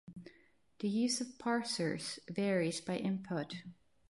The use of parsers varies by input.